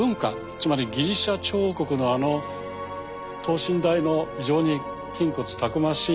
つまりギリシャ彫刻のあの等身大の非常に筋骨たくましい。